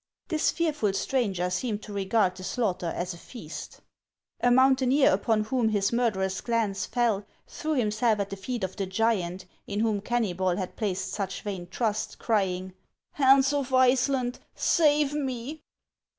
This fearful stranger seemed to regard the slaughter as a feast. A mountaineer upon whom his murderous glance fell threw himself at the feet of the giant in whom Kennybol had placed such vain trust, crying :" Hans of Iceland, save me